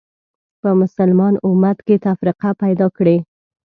په مسلمان امت کې تفرقه پیدا کړې